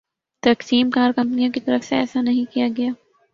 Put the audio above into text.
تقسیم کار کمپنیوں کی طرف سے ایسا نہیں کیا گیا